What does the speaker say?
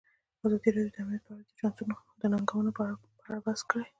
ازادي راډیو د امنیت په اړه د چانسونو او ننګونو په اړه بحث کړی.